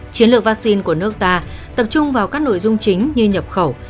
chiến lược vắc xin của nước ta tập trung vào các nội dung chính như nhập khẩu